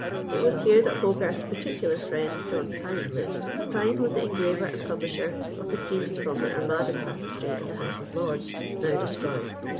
It was here that Hogarth's particular friend, John Pine, lived. Pine was the engraver and publisher of the scenes from the Armada tapestry in the House of Lords, now destroyed.